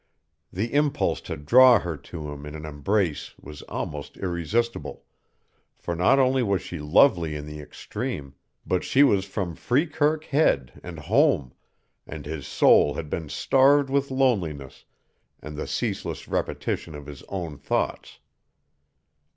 The impulse to draw her to him in an embrace was almost irresistible, for not only was she lovely in the extreme, but she was from Freekirk Head and home, and his soul had been starved with loneliness and the ceaseless repetition of his own thoughts.